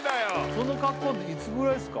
その格好っていつぐらいですか？